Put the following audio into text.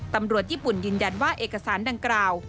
ตำรวจญี่ปุ่นยืนยันว่าเอกสารดังกล่าว